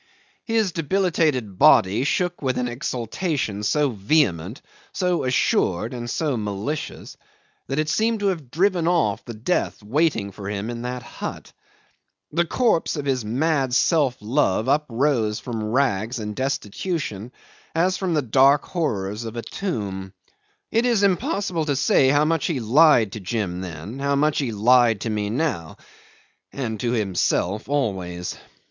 ..." 'His debilitated body shook with an exultation so vehement, so assured, and so malicious that it seemed to have driven off the death waiting for him in that hut. The corpse of his mad self love uprose from rags and destitution as from the dark horrors of a tomb. It is impossible to say how much he lied to Jim then, how much he lied to me now and to himself always.